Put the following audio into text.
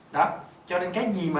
đó cho nên cái gì mà